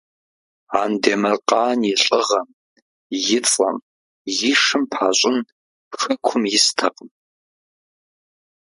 Андемыркъан и лӀыгъэм и цӀэм и шым пащӀын хэкум истэкъым.